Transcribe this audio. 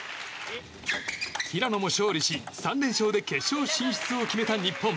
平野も勝利し３連勝で決勝進出を決めた日本。